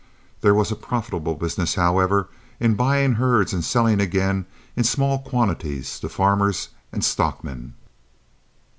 There was a profitable business, however, in buying herds and selling again in small quantities to farmers and stockmen.